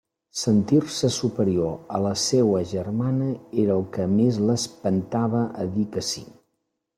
Sentir-se superior a la seua germana era el que més l'espentava a dir que sí.